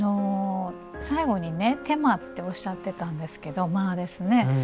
最後に手間っておっしゃったんですけど間ですね。